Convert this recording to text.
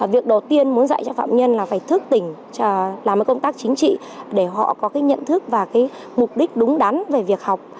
việc đầu tiên muốn dạy cho phạm nhân là phải thức tỉnh làm cái công tác chính trị để họ có cái nhận thức và cái mục đích đúng đắn về việc học